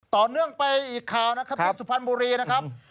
ต่อเนื่องไปอีกข่าวนะครับที่สุพรรณบุรีนะครับ